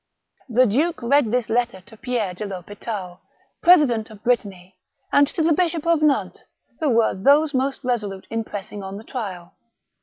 The duke read this letter to Pierre de THospital, president of Brittany, and to the Bishop of Nantes, who were those most resolute in pressing on the trial.